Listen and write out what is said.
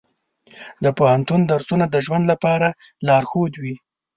د پوهنتون درسونه د ژوند لپاره لارښود وي.